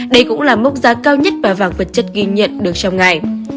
đây cũng là mốc giá cao nhất mà vàng vật chất ghi nhận được trong ngày